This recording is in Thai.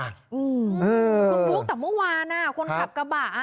คุณบุ๊คแต่เมื่อวานคนขับกระบะ